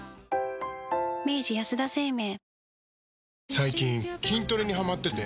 最近筋トレにハマってて。